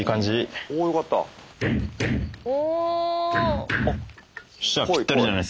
お！